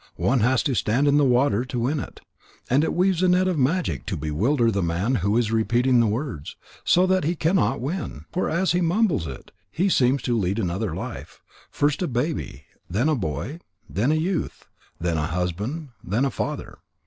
One has to stand in the water to win it. And it weaves a net of magic to bewilder the man who is repeating the words, so that he cannot win it. For as he mumbles it, he seems to lead another life, first a baby, then a boy, then a youth, then a husband, then a father.